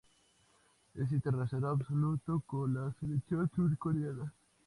Es internacional absoluto con la selección surcoreana.